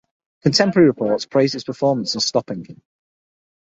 Contemporary reports praised its performance and stopping.